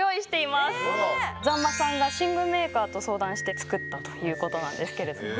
座馬さんが寝具メーカーと相談して作ったということなんですけれども。